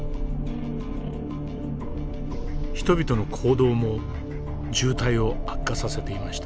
人々の行動も渋滞を悪化させていました。